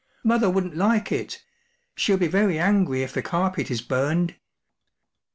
14 Mother ’wouldn’t like it Shell be very angry if the carpet is burned.